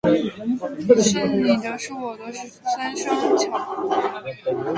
是你的；是我的，三商巧福。